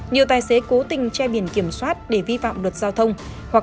nhiều tài xế cố tình che biển kiểm soát để vi phạm luật giao thông